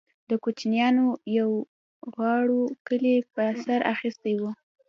د كوچنيانو بوغارو كلى په سر اخيستى و.